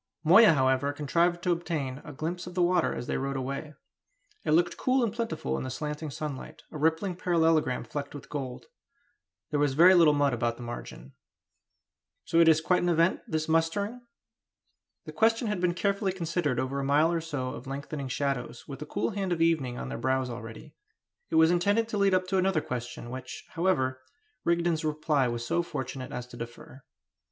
Moya, however, contrived to obtain a glimpse of the water as they rode away. It looked cool and plentiful in the slanting sunlight a rippling parallelogram flecked with gold. There was very little mud about the margin. "So it is quite an event, this mustering?" The question had been carefully considered over a mile or so of lengthening shadows, with the cool hand of evening on their brows already. It was intended to lead up to another question, which, however, Rigden's reply was so fortunate as to defer.